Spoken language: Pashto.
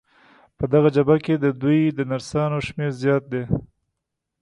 په دغه جبهه کې د دوی د نرسانو شمېر زیات دی.